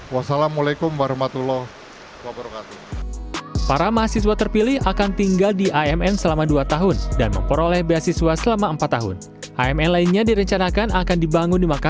wassalamu'alaikum warahmatullahi wabarakatuh